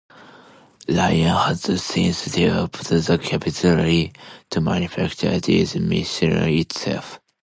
Iran has since developed the capability to manufacture these missiles itself.